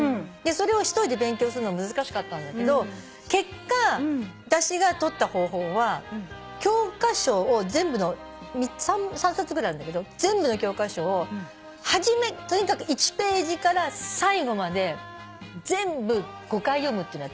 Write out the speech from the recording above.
それを１人で勉強するの難しかったんだけど結果私が取った方法は教科書３冊ぐらいあるんだけど全部の教科書をとにかく１ページから最後まで全部５回読むっていうのやってみたの。